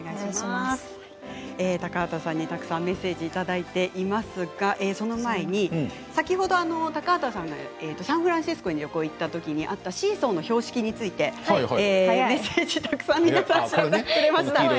高畑さんにたくさんメッセージいただいていますがその前に先ほど高畑さんがサンフランシスコに旅行に行ったときにあったシーソーの標識についてメッセージをたくさん皆さん、調べてくれました。